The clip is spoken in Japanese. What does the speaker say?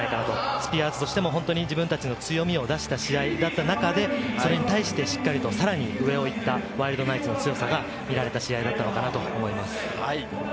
スピアーズとしても自分たちの強みを出した中で、それに対して、さらに上を行ったワイルドナイツの強さが見られた試合だったと思います。